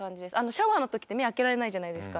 シャワーの時って目開けられないじゃないですか。